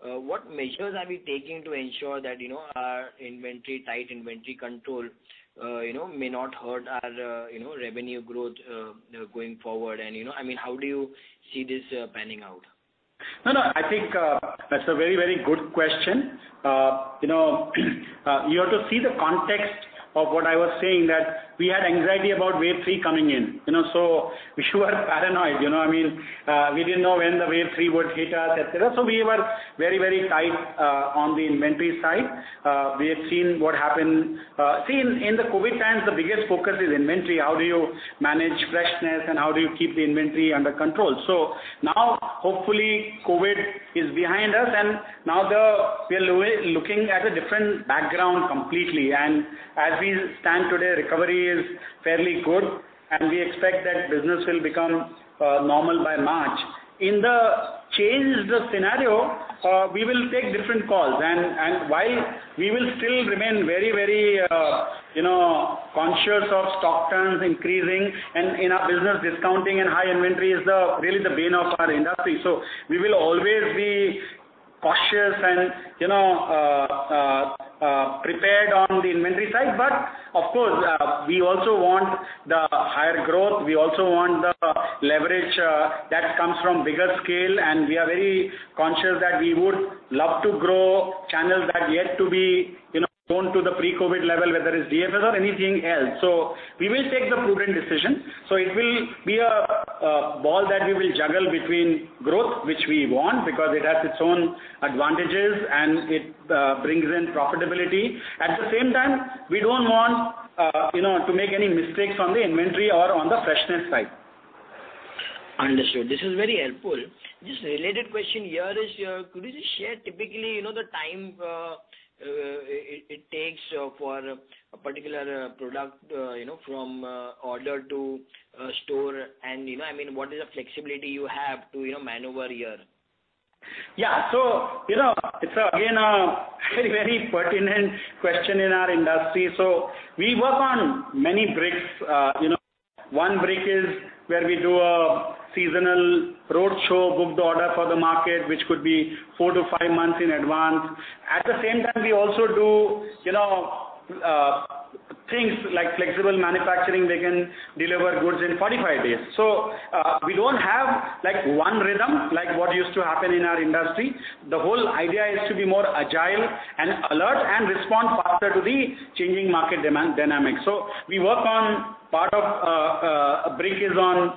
what measures are we taking to ensure that you know, our inventory, tight inventory control may not hurt our revenue growth going forward? You know, I mean, how do you see this panning out? No, no, I think that's a very, very good question. You know, you have to see the context of what I was saying, that we had anxiety about wave three coming in, you know, so we were paranoid, you know what I mean? We didn't know when the wave three would hit us, et cetera, so we were very, very tight on the inventory side. We have seen what happened. See, in the COVID times, the biggest focus is inventory. How do you manage freshness, and how do you keep the inventory under control? Now, hopefully, COVID is behind us and now we are looking at a different background completely. As we stand today, recovery is fairly good. We expect that business will become normal by March. In the changed scenario, we will take different calls and while we will still remain very, you know, conscious of stock turns increasing and in our business, discounting and high inventory is really the bane of our industry. We will always be cautious and, you know, prepared on the inventory side. Of course, we also want the higher growth. We also want the leverage that comes from bigger scale, and we are very conscious that we would love to grow channels that are yet to be, you know, gone to the pre-COVID level, whether it's LFS or anything else. We will take the prudent decision. It will be a ball that we will juggle between growth, which we want because it has its own advantages and it brings in profitability. At the same time, we don't want, you know, to make any mistakes on the inventory or on the freshness side. Understood. This is very helpful. Just a related question here is, could you just share typically, you know, the time, it takes for a particular product, you know, from order to store and, you know, I mean, what is the flexibility you have to, you know, maneuver here? It's again a very, very pertinent question in our industry. We work on many bricks. One brick is where we do a seasonal roadshow, book the order for the market, which could be 4-5 months in advance. At the same time, we also do things like flexible manufacturing. We can deliver goods in 45 days. We don't have, like, one rhythm like what used to happen in our industry. The whole idea is to be more agile and alert and respond faster to the changing market demand dynamics. We work on part of bricks on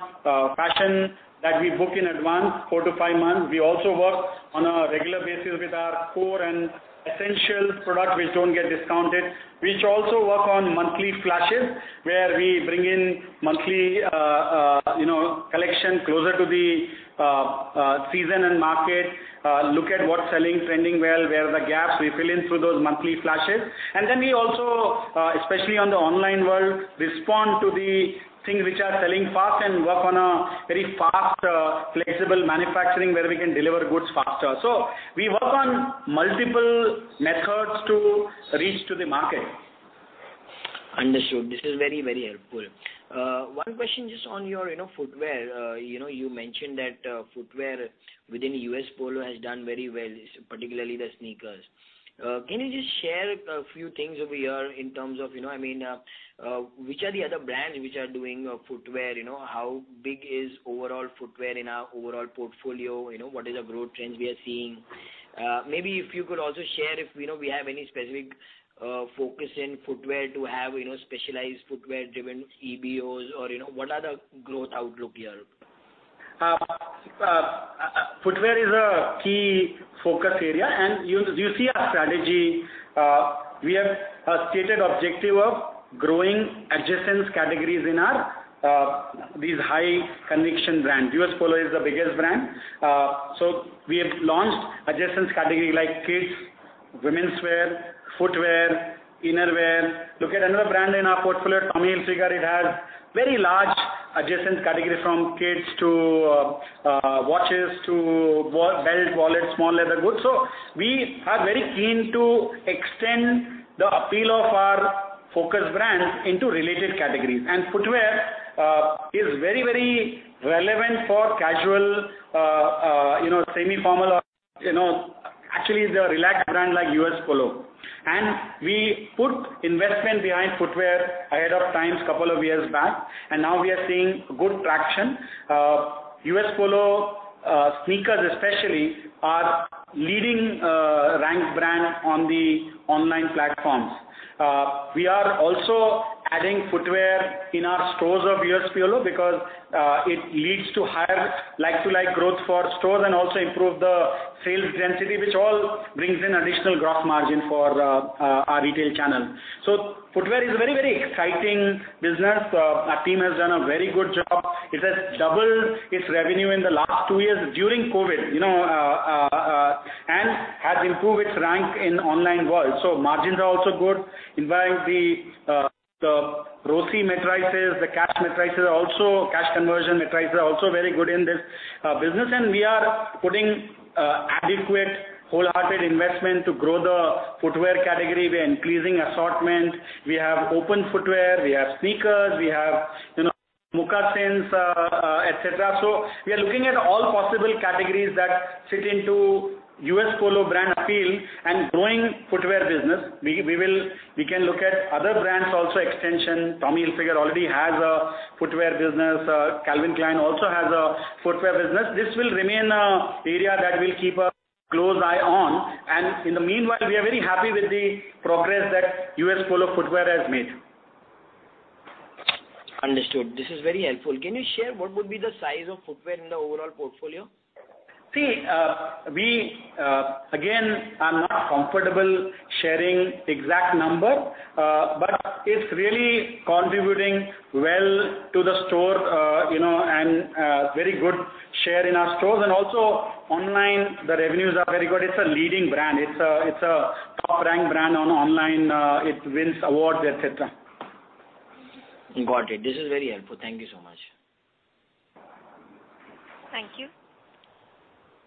fashion that we book in advance 4-5 months. We also work on a regular basis with our core and essential products which don't get discounted. We also work on monthly flashes, where we bring in monthly, you know, collection closer to the season and market, look at what's selling, trending well, where are the gaps. We fill in through those monthly flashes. We also, especially on the online world, respond to the things which are selling fast and work on a very fast, flexible manufacturing where we can deliver goods faster. We work on multiple methods to reach to the market. Understood. This is very, very helpful. One question just on your, you know, footwear. You know, you mentioned that footwear within U.S. Polo has done very well, particularly the sneakers. Can you just share a few things over here in terms of, you know, I mean, which are the other brands which are doing footwear? You know, how big is overall footwear in our overall portfolio? You know, what is the growth trends we are seeing? Maybe if you could also share if, you know, we have any specific, focus in footwear to have, you know, specialized footwear-driven EBOs or, you know, what are the growth outlook here? Footwear is a key focus area. You see our strategy, we have a stated objective of growing adjacent categories in our these high conviction brands. U.S. Polo is the biggest brand. We have launched adjacent categories like kids, womenswear, footwear, innerwear. Look at another brand in our portfolio, Tommy Hilfiger. It has very large adjacent categories from kids to watches to wallets, small leather goods. We are very keen to extend the appeal of our focus brands into related categories. Footwear is very, very relevant for casual, you know, semi-formal, you know, actually the relaxed brand like U.S. Polo. We put investment behind footwear ahead of time a couple of years back, and now we are seeing good traction. U.S. Polo Assn. sneakers especially are leading ranked brand on the online platforms. We are also adding footwear in our stores of U.S. Polo Assn. because it leads to higher like-for-like growth for stores and also improve the sales density, which all brings in additional gross margin for our retail channel. Footwear is a very, very exciting business. Our team has done a very good job. It has doubled its revenue in the last two years during COVID, you know, and has improved its rank in online world. Margins are also good. In fact, the ROC metrics, the cash metrics are also, cash conversion metrics are also very good in this business. We are putting adequate wholehearted investment to grow the footwear category. We are increasing assortment. We have open footwear, we have sneakers, we have, you know, moccasins, et cetera. We are looking at all possible categories that fit into U.S. Polo Assn. brand appeal and growing footwear business. We can look at other brands also extension. Tommy Hilfiger already has a footwear business. Calvin Klein also has a footwear business. This will remain an area that we'll keep a close eye on. In the meanwhile, we are very happy with the progress that U.S. Polo Assn. footwear has made. Understood. This is very helpful. Can you share what would be the size of footwear in the overall portfolio? See, we again, I'm not comfortable sharing the exact number, but it's really contributing well to the store. Very good share in our stores and also online, the revenues are very good. It's a leading brand. It's a top brand online, it wins awards, et cetera. Got it. This is very helpful. Thank you so much. Thank you.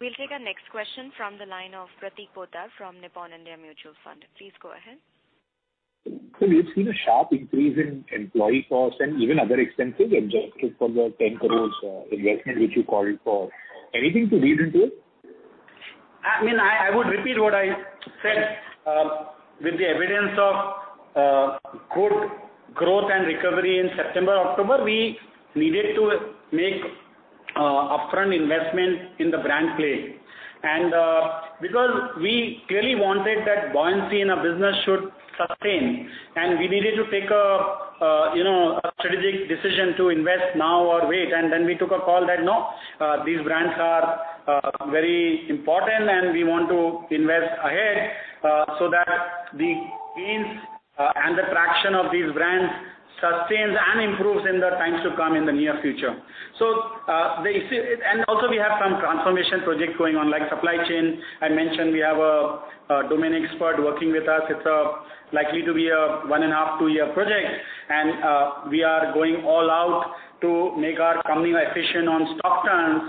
We'll take our next question from the line of Pratik Poddar from Nippon India Mutual Fund. Please go ahead. Sir, we've seen a sharp increase in employee costs and even other expenses adjusted for the 10 crore investment which you called for. Anything to read into it? I mean, I would repeat what I said, with the evidence of good growth and recovery in September, October, we needed to make upfront investment in the brand play. Because we clearly wanted that buoyancy in our business should sustain, and we needed to take a, you know, a strategic decision to invest now or wait. Then we took a call that, no, these brands are very important and we want to invest ahead, so that the gains and the traction of these brands sustains and improves in the times to come in the near future. Also we have some transformation project going on, like supply chain. I mentioned we have a domain expert working with us. It's likely to be a 1.5 to 2-year project. We are going all out to make our company efficient on stock turn.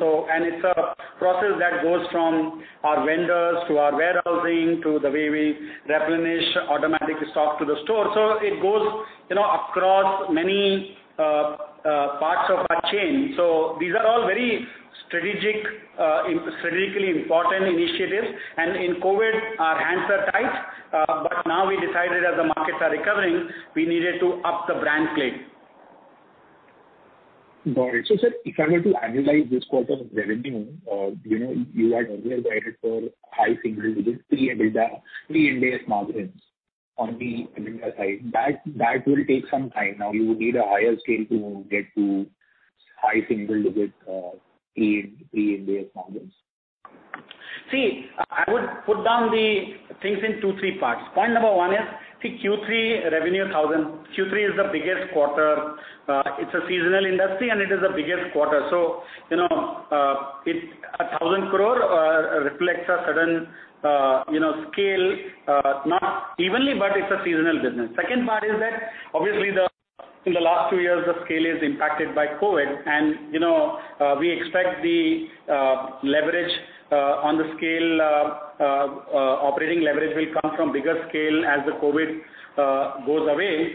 It's a process that goes from our vendors to our warehousing to the way we replenish automatic stock to the store. It goes, you know, across many parts of our chain. These are all very strategic, strategically important initiatives. In COVID, our hands are tied. Now we decided as the markets are recovering, we needed to up the brand play. Got it. Sir, if I were to analyze this quarter's revenue, you know, you had earlier guided for high single digits pre-Ind AS EBITDA margins on the EBITDA side. That will take some time. NNNOW, you would need a higher scale to get to high single digit pre-Ind AS margins. See, I would put down the things in two, three parts. Point number one is the Q3 revenue 1,000 crore. Q3 is the biggest quarter. It's a seasonal industry, and it is the biggest quarter. So, you know, it 1,000 crore reflects a certain, you know, scale, not evenly, but it's a seasonal business. Second part is that, obviously, in the last two years, the scale is impacted by COVID. You know, we expect the leverage on the scale, operating leverage will come from bigger scale as the COVID goes away.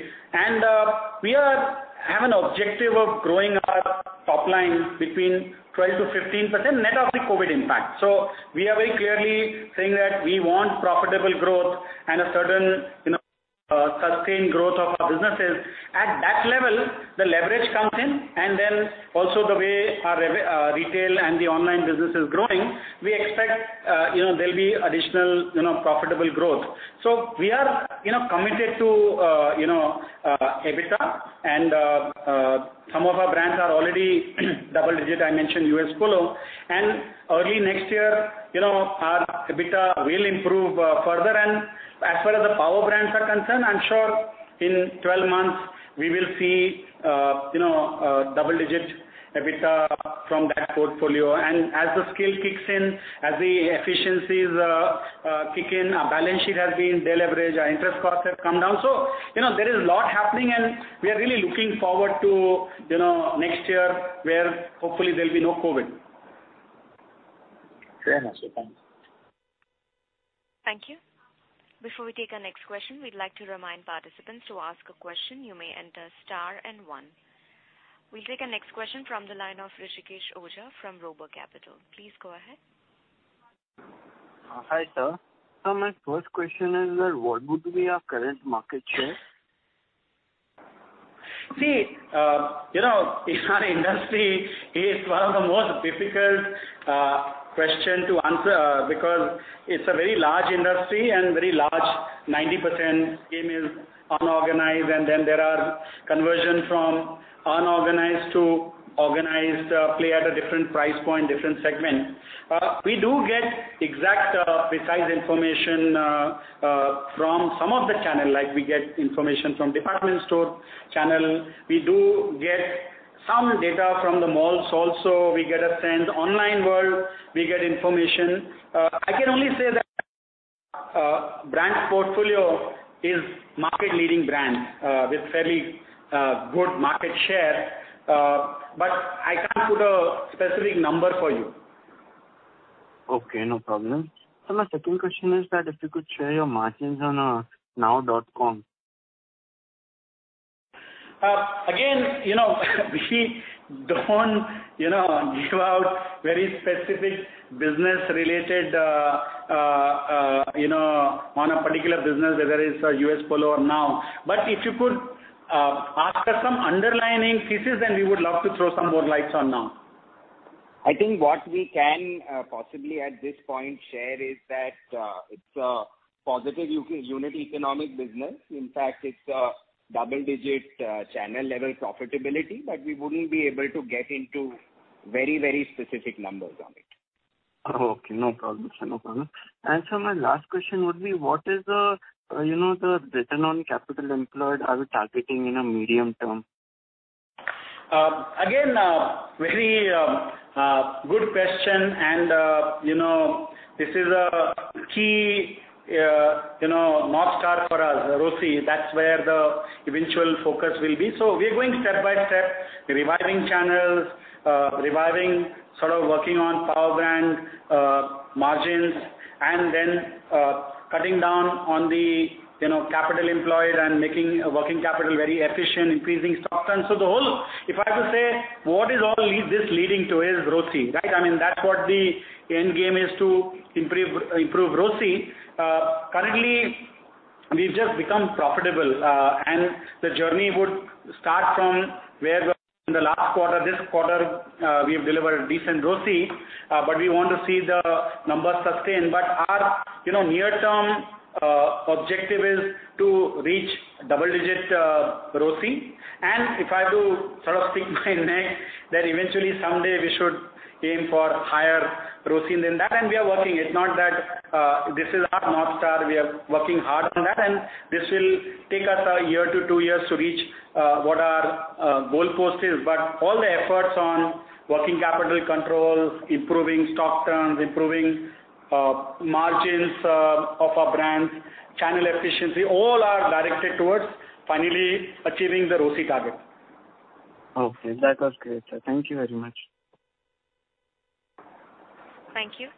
We have an objective of growing our top line between 12%-15% net of the COVID impact. So we are very clearly saying that we want profitable growth and a certain, you know, sustained growth of our businesses. At that level, the leverage comes in, and then also the way our retail and the online business is growing, we expect, you know, there'll be additional, you know, profitable growth. We are, you know, committed to, you know, EBITDA, and some of our brands are already double-digit, I mentioned U.S. Polo. Early next year, you know, our EBITDA will improve further. As far as the power brands are concerned, I'm sure in 12 months we will see, you know, double-digit EBITDA from that portfolio. As the scale kicks in, as the efficiencies kick in, our balance sheet has been de-leveraged, our interest costs have come down. You know, there is a lot happening, and we are really looking forward to, you know, next year where hopefully there'll be no COVID. Very much, sir. Thanks. Thank you. Before we take our next question, we'd like to remind participants to ask a question, you may enter star and one. We'll take our next question from the line of Hrishikesh Ojha from Robeco Capital. Please go ahead. Hi, sir. Sir, my first question is that what would be your current market share? See, you know, in our industry it's one of the most difficult question to answer, because it's a very large industry and very large 90% game is unorganized, and then there are conversion from unorganized to organized, play at a different price point, different segment. We do get exact, precise information from some of the channel. Like, we get information from department store channel. We do get some data from the malls also. We get a sense. Online world, we get information. I can only say that, brand portfolio is market leading brand, with fairly good market share. But I can't put a specific number for you. Okay, no problem. Sir, my second question is that if you could share your margins on nnnow.com. Again, you know, we don't, you know, give out very specific business related, you know, on a particular business, whether it's U.S. Polo or NNNOW. If you could ask us some underlying thesis, then we would love to throw some more lights on NNNOW. I think what we can possibly at this point share is that it's a positive unit economic business. In fact, it's a double-digit channel level profitability, but we wouldn't be able to get into very, very specific numbers on it. Oh, okay. No problem, sir. No problem. My last question would be what is the, you know, the return on capital employed are we targeting in a medium term? Again, very good question. You know, this is a key North Star for us, ROCE. That's where the eventual focus will be. We're going step by step, reviving channels, reviving sort of working on power brand margins, and then cutting down on the, you know, capital employed and making working capital very efficient, increasing stock turn. The whole, if I have to say, what is all this leading to is ROCE, right? I mean, that's what the end game is to improve ROCE. Currently, we've just become profitable, and the journey would start from where we are in the last quarter. This quarter, we have delivered decent ROCE, but we want to see the numbers sustained. Our, you know, near-term objective is to reach double-digit ROCE. If I have to sort of speak my mind that eventually someday we should aim for higher ROCE than that. We are working. It's not that, this is our North Star. We are working hard on that, and this will take us a year to two years to reach, what our goalpost is. All the efforts on working capital control, improving stock turns, improving margins of our brands, channel efficiency, all are directed towards finally achieving the ROCE target. Okay. That was great, sir. Thank you very much. Thank you.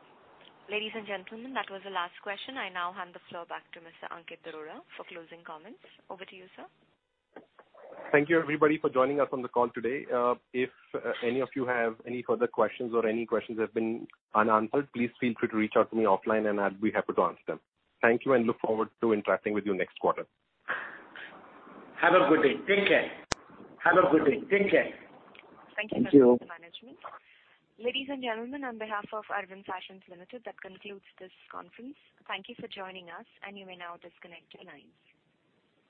Ladies and gentlemen, that was the last question. I now hand the floor back to Mr. Ankit Arora for closing comments. Over to you, sir. Thank you, everybody, for joining us on the call today. If any of you have any further questions or any questions have been unanswered, please feel free to reach out to me offline, and I'd be happy to answer them. Thank you, and look forward to interacting with you next quarter. Have a good day. Take care. Have a good day. Take care. Thank you. Thank you, members of management. Ladies and gentlemen, on behalf of Arvind Fashions Limited, that concludes this conference. Thank you for joining us, and you may now disconnect your lines.